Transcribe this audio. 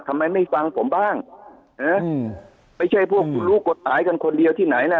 ทำไมไม่ฟังผมบ้างนะไม่ใช่พวกคุณรู้กฎหมายกันคนเดียวที่ไหนล่ะ